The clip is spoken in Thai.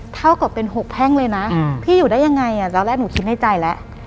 เท่ากับเป็น๖แพ่งเลยนะพี่อยู่ได้ยังไงตอนแรกหนูคิดในใจแล้ว